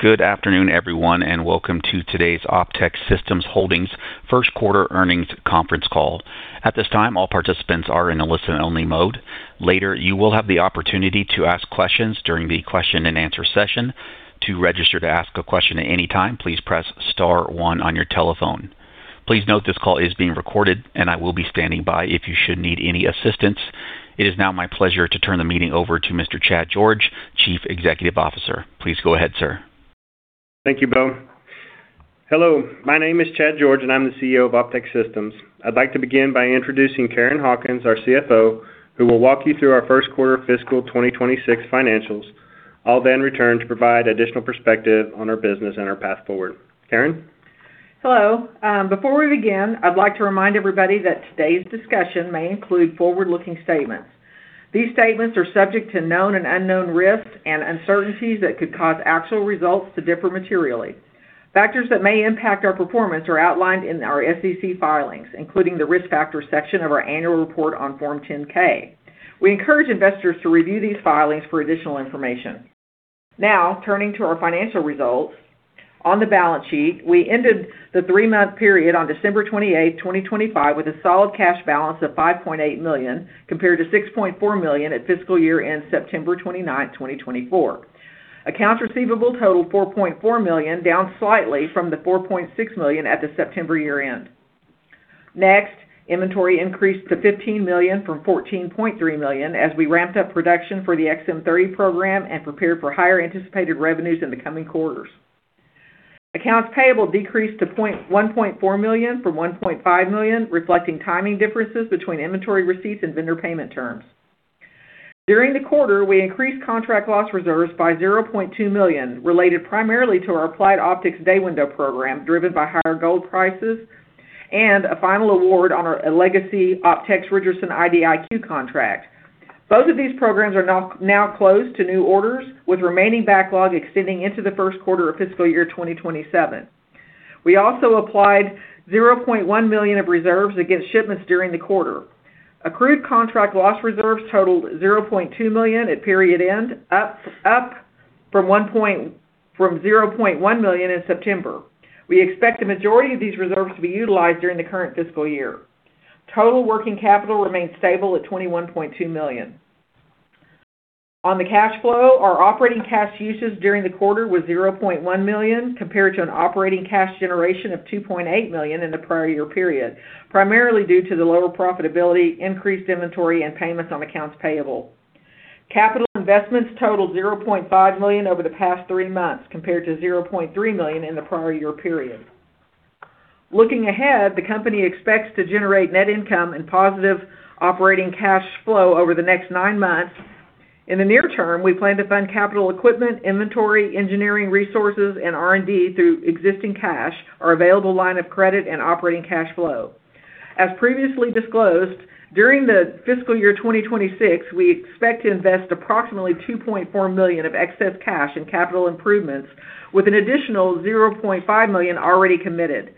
Good afternoon, everyone, and welcome to today's Optex Systems Holdings first-quarter earnings conference call. At this time, all participants are in a listen-only mode. Later, you will have the opportunity to ask questions during the question-and-answer session. To register to ask a question at any time, please press star 1 on your telephone. Please note this call is being recorded, and I will be standing by if you should need any assistance. It is now my pleasure to turn the meeting over to Mr. Chad George, Chief Executive Officer. Please go ahead, sir. Thank you, Beau. Hello, my name is Chad George, and I'm the CEO of Optex Systems. I'd like to begin by introducing Karen Hawkins, our CFO, who will walk you through our first-quarter fiscal 2026 financials. I'll then return to provide additional perspective on our business and our path forward. Karen? Hello. Before we begin, I'd like to remind everybody that today's discussion may include forward-looking statements. These statements are subject to known and unknown risks and uncertainties that could cause actual results to differ materially. Factors that may impact our performance are outlined in our SEC filings, including the risk factors section of our annual report on Form 10-K. We encourage investors to review these filings for additional information. Now, turning to our financial results. On the balance sheet, we ended the three-month period on December 28, 2025, with a solid cash balance of $5.8 million compared to $6.4 million at fiscal year-end September 29, 2024. Accounts receivable totaled $4.4 million, down slightly from the $4.6 million at the September year-end. Next, inventory increased to $15 million from $14.3 million as we ramped up production for the XM30 program and prepared for higher anticipated revenues in the coming quarters. Accounts payable decreased to $1.4 million from $1.5 million, reflecting timing differences between inventory receipts and vendor payment terms. During the quarter, we increased contract loss reserves by $0.2 million, related primarily to our Applied Optics Day Window program driven by higher gold prices and a final award on our legacy Optex-Richardson IDIQ contract. Both of these programs are now closed to new orders, with remaining backlog extending into the first quarter of fiscal year 2027. We also applied $0.1 million of reserves against shipments during the quarter. Accrued contract loss reserves totaled $0.2 million at period end, up from $0.1 million in September. We expect the majority of these reserves to be utilized during the current fiscal year. Total working capital remained stable at $21.2 million. On the cash flow, our operating cash uses during the quarter were $0.1 million compared to an operating cash generation of $2.8 million in the prior year period, primarily due to the lower profitability, increased inventory, and payments on accounts payable. Capital investments totaled $0.5 million over the past three months compared to $0.3 million in the prior year period. Looking ahead, the company expects to generate net income and positive operating cash flow over the next nine months. In the near term, we plan to fund capital equipment, inventory, engineering resources, and R&D through existing cash, our available line of credit, and operating cash flow. As previously disclosed, during the fiscal year 2026, we expect to invest approximately $2.4 million of excess cash in capital improvements, with an additional $0.5 million already committed.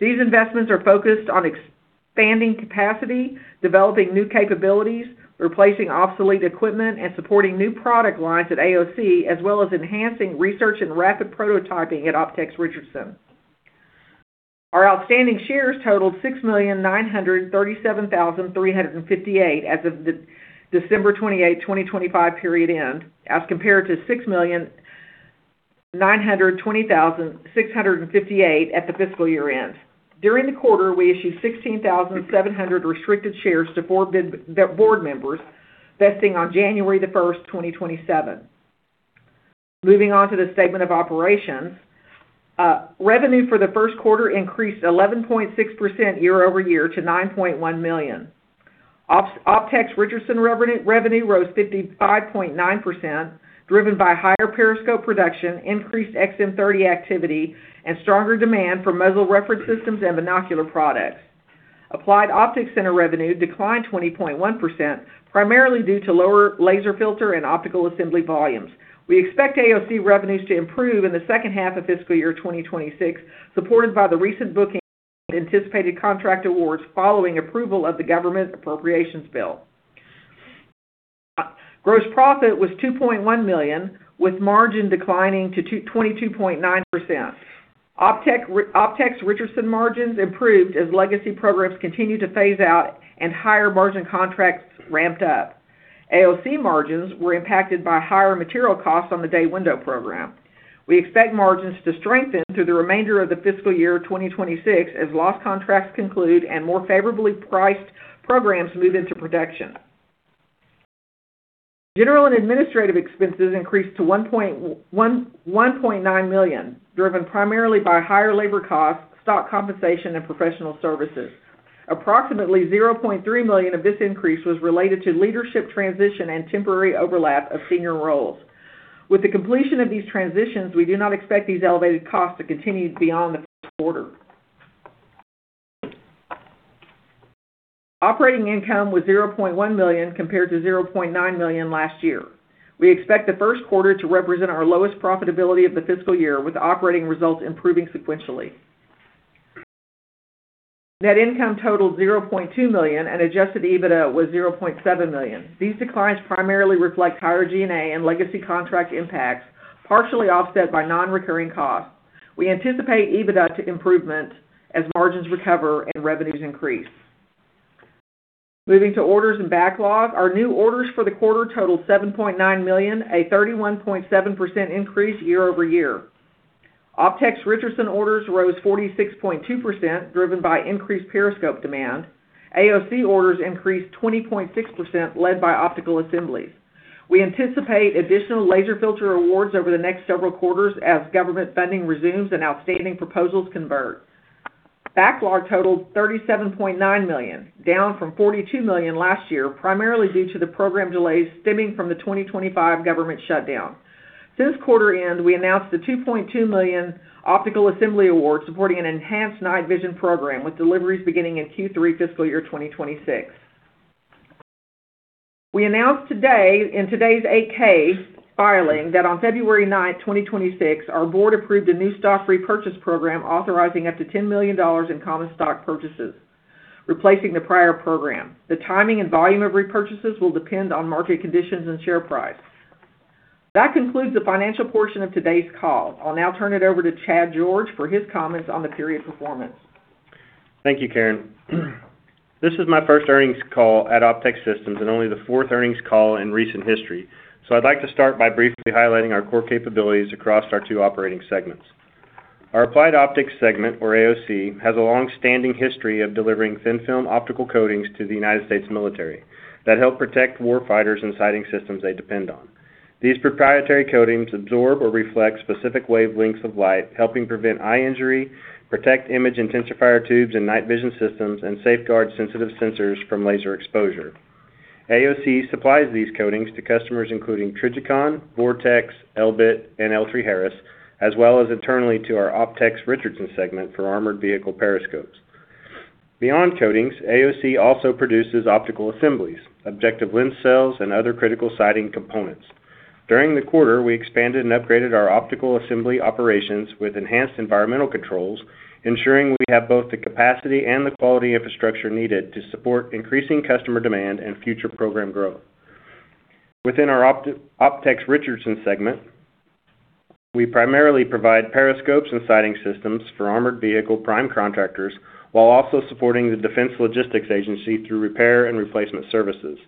These investments are focused on expanding capacity, developing new capabilities, replacing obsolete equipment, and supporting new product lines at AOC, as well as enhancing research and rapid prototyping at Optex-Richardson. Our outstanding shares totaled 6,937,358 as of the December 28, 2025, period end, as compared to 6,920,658 at the fiscal year end. During the quarter, we issued 16,700 restricted shares to four board members, vesting on January 1, 2027. Moving on to the statement of operations, revenue for the first quarter increased 11.6% year-over-year to $9.1 million. Optex-Richardson revenue rose 55.9%, driven by higher periscope production, increased XM30 activity, and stronger demand for muzzle reference systems and binocular products. Applied Optics Center revenue declined 20.1%, primarily due to lower laser filter and optical assembly volumes. We expect AOC revenues to improve in the second half of fiscal year 2026, supported by the recent booking and anticipated contract awards following approval of the government appropriations bill. Gross profit was $2.1 million, with margin declining to 22.9%. Optex-Richardson margins improved as legacy programs continued to phase out and higher margin contracts ramped up. AOC margins were impacted by higher material costs on the Day Window program. We expect margins to strengthen through the remainder of the fiscal year 2026 as loss contracts conclude and more favorably priced programs move into production. General and administrative expenses increased to $1.9 million, driven primarily by higher labor costs, stock compensation, and professional services. Approximately $0.3 million of this increase was related to leadership transition and temporary overlap of senior roles. With the completion of these transitions, we do not expect these elevated costs to continue beyond the first quarter. Operating income was $0.1 million compared to $0.9 million last year. We expect the first quarter to represent our lowest profitability of the fiscal year, with operating results improving sequentially. Net income totaled $0.2 million and adjusted EBITDA was $0.7 million. These declines primarily reflect higher G&A and legacy contract impacts, partially offset by non-recurring costs. We anticipate EBITDA improvement as margins recover and revenues increase. Moving to orders and backlog, our new orders for the quarter totaled $7.9 million, a 31.7% increase year-over-year. Optex-Richardson orders rose 46.2%, driven by increased periscope demand. AOC orders increased 20.6%, led by optical assemblies. We anticipate additional laser filter awards over the next several quarters as government funding resumes and outstanding proposals convert. Backlog totaled $37.9 million, down from $42 million last year, primarily due to the program delays stemming from the 2025 government shutdown. Since quarter end, we announced the $2.2 million optical assembly award supporting an enhanced night vision program, with deliveries beginning in Q3 fiscal year 2026. We announced today in today's 8-K filing that on February 9, 2026, our board approved a new stock repurchase program authorizing up to $10 million in common stock purchases, replacing the prior program. The timing and volume of repurchases will depend on market conditions and share price. That concludes the financial portion of today's call. I'll now turn it over to Chad George for his comments on the period performance. Thank you, Karen. This is my first earnings call at Optex Systems and only the fourth earnings call in recent history, so I'd like to start by briefly highlighting our core capabilities across our two operating segments. Our Applied Optics segment, or AOC, has a longstanding history of delivering thin-film optical coatings to the United States Military that help protect warfighters and sighting systems they depend on. These proprietary coatings absorb or reflect specific wavelengths of light, helping prevent eye injury, protect image intensifier tubes and night vision systems, and safeguard sensitive sensors from laser exposure. AOC supplies these coatings to customers including Trijicon, Vortex, Elbit, and L3Harris, as well as internally to our Optex-Richardson segment for armored vehicle periscopes. Beyond coatings, AOC also produces optical assemblies, objective lens cells, and other critical sighting components. During the quarter, we expanded and upgraded our optical assembly operations with enhanced environmental controls, ensuring we have both the capacity and the quality infrastructure needed to support increasing customer demand and future program growth. Within our Optex-Richardson segment, we primarily provide periscopes and sighting systems for armored vehicle prime contractors while also supporting the Defense Logistics Agency through repair and replacement services.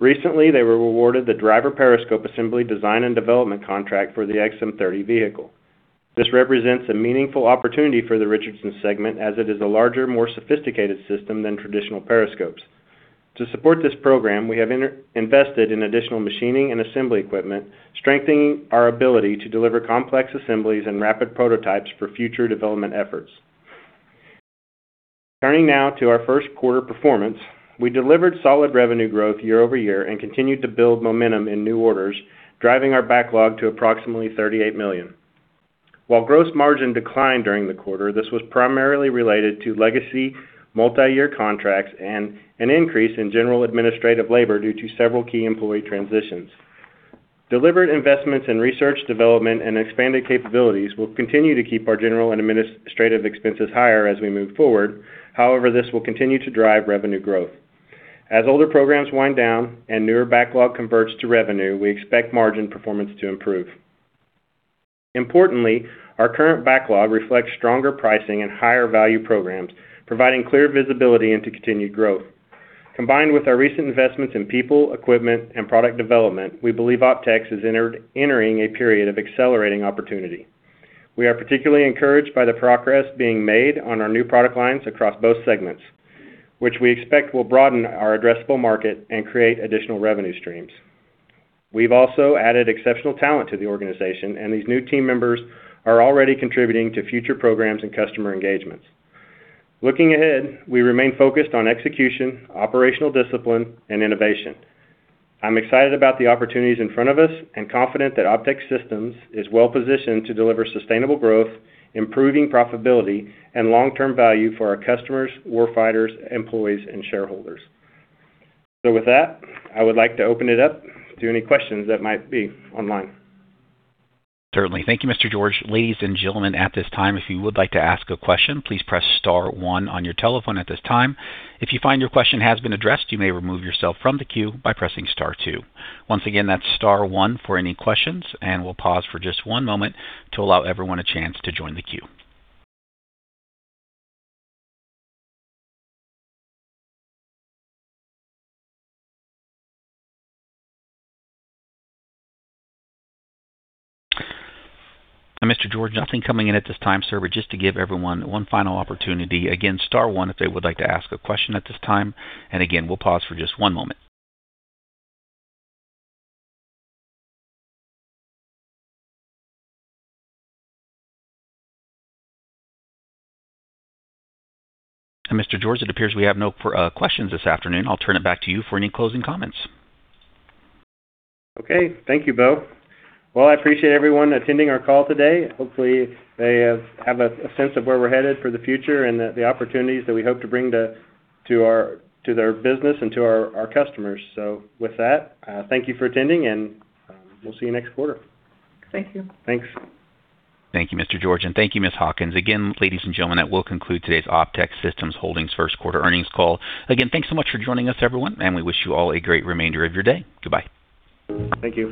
Recently, they were awarded the driver periscope assembly design and development contract for the XM30 vehicle. This represents a meaningful opportunity for the Richardson segment as it is a larger, more sophisticated system than traditional periscopes. To support this program, we have invested in additional machining and assembly equipment, strengthening our ability to deliver complex assemblies and rapid prototypes for future development efforts. Turning now to our first quarter performance, we delivered solid revenue growth year over year and continued to build momentum in new orders, driving our backlog to approximately $38 million. While gross margin declined during the quarter, this was primarily related to legacy multi-year contracts and an increase in general administrative labor due to several key employee transitions. Delivered investments in research, development, and expanded capabilities will continue to keep our general and administrative expenses higher as we move forward, however, this will continue to drive revenue growth. As older programs wind down and newer backlog converts to revenue, we expect margin performance to improve. Importantly, our current backlog reflects stronger pricing and higher value programs, providing clear visibility into continued growth. Combined with our recent investments in people, equipment, and product development, we believe Optex is entering a period of accelerating opportunity. We are particularly encouraged by the progress being made on our new product lines across both segments, which we expect will broaden our addressable market and create additional revenue streams. We've also added exceptional talent to the organization, and these new team members are already contributing to future programs and customer engagements. Looking ahead, we remain focused on execution, operational discipline, and innovation. I'm excited about the opportunities in front of us and confident that Optex Systems is well-positioned to deliver sustainable growth, improving profitability, and long-term value for our customers, warfighters, employees, and shareholders. So with that, I would like to open it up to any questions that might be online. Certainly. Thank you, Mr. George. Ladies and gentlemen, at this time, if you would like to ask a question, please press star one on your telephone at this time. If you find your question has been addressed, you may remove yourself from the queue by pressing star two. Once again, that's star one for any questions, and we'll pause for just one moment to allow everyone a chance to join the queue. Mr. George, nothing coming in at this time, sir, but just to give everyone one final opportunity. Again, star one if they would like to ask a question at this time. And again, we'll pause for just one moment. Mr. George, it appears we have no questions this afternoon. I'll turn it back to you for any closing comments. Okay. Thank you, Beau. Well, I appreciate everyone attending our call today. Hopefully, they have a sense of where we're headed for the future and the opportunities that we hope to bring to their business and to our customers. So with that, thank you for attending, and we'll see you next quarter. Thank you. Thanks. Thank you, Mr. George, and thank you, Ms. Hawkins. Again, ladies and gentlemen, that will conclude today's Optex Systems Holdings first quarter earnings call. Again, thanks so much for joining us, everyone, and we wish you all a great remainder of your day. Goodbye. Thank you.